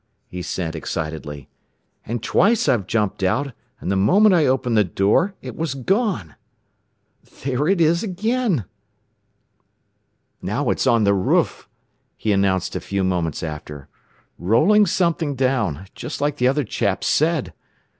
he sent excitedly. "And twice I've jumped out, and the moment I opened the door it was gone! "There it is again! "Now it's on the roof!" he announced a few moments after. "Rolling something down just like the other chaps said!